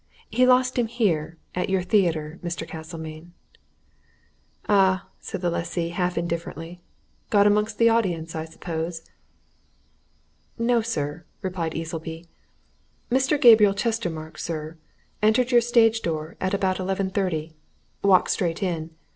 He lost him here at your theatre, Mr. Castlemayne." "Ah!" said the lessee, half indifferently. "Got amongst the audience, I suppose?" "No, sir," replied Easleby. "Mr. Gabriel Chestermarke, sir, entered your stage door at about eleven thirty walked straight in.